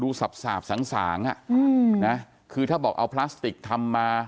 ดู้สาปสาปสางอะนะในคือถ้าบอกเอาพลาสติกทำมา